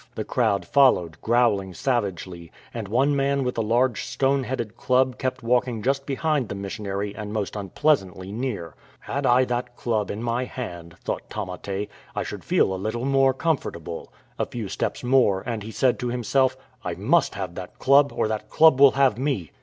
The crowd followed, growling savagely, and one man with a large stone headed club kept walking just behind the missionary and most unpleasantly near. " Had I that club in my hand," thought Tamate, " I should feel a little more comfort able." A few steps more, and he said to himself: "I rrnist have that club, or that club will have me."